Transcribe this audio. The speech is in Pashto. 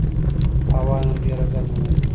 هوا نن ډېره ګرمه ده.